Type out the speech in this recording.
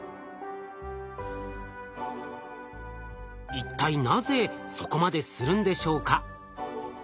一体なぜそこまでするんでしょうか？